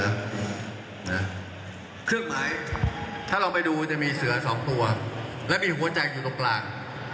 เครื่องไม้ถ้าเราไปดูจะมีเสือสองตัวและมีหัวใจอยู่ตรงกลาง